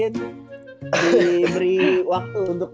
jadi beri waktu untuk